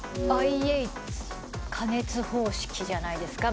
「ＩＨ加熱方式」じゃないですか。